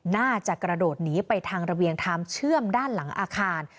น่าจะกระโดดหนีไปทางระเวียงไทม์เชื่อมด้านหลังอาคาร